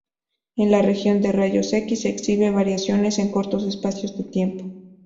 En la región de rayos X, exhibe variaciones en cortos espacios de tiempo.